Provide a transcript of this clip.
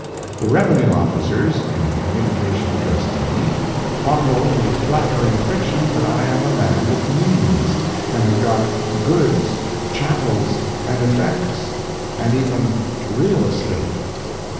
The Revenue officers, in a communication addressed to me, fondle the flattering fiction that I am a man of means, and have got "goods, chattels and effects"—and even "real estate!"